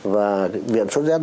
và viện xuất giác